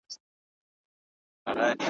زموږ د معصومو دنګو پېغلو د حیا کلی دی,